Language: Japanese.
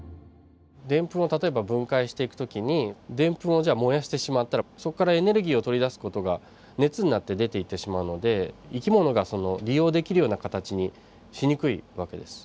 デンプンを例えば分解していく時にデンプンをじゃあ燃やしてしまったらそこからエネルギーを取り出す事が熱になって出ていってしまうので生き物が利用できるような形にしにくい訳です。